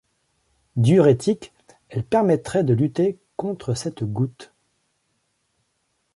Diurétique, elle permettrait de lutter contre cette goutte.